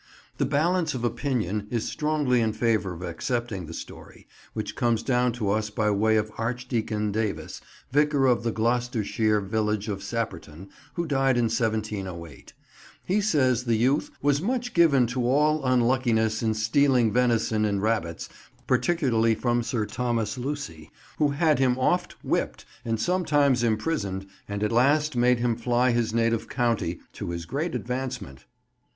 The balance of opinion is strongly in favour of accepting the story, which comes down to us by way of Archdeacon Davis, Vicar of the Gloucestershire village of Sapperton, who died in 1708. He says the youth "was much given to all unluckiness in stealing venison and rabbits, particularly from Sir Thomas Lucy, who had him oft whipped and sometimes imprisoned, and at last made him fly his native county, to his great advancement."